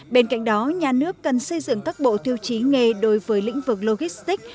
bên cạnh đó nhà nước cần xây dựng các bộ tiêu chí nghề đối với lĩnh vực logistics